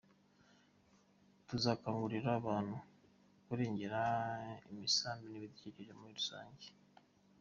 Tuzakangurira abantu kurengera imisambi n’ibidukikije muri rusange.